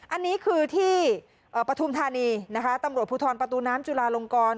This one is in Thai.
อันนี้คือที่ปฐุมธานีนะคะตำรวจภูทรประตูน้ำจุลาลงกร